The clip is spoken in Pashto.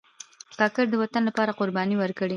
کاکړ د وطن لپاره قربانۍ ورکړي.